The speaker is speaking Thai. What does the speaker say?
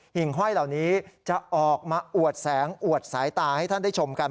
่งห้อยเหล่านี้จะออกมาอวดแสงอวดสายตาให้ท่านได้ชมกัน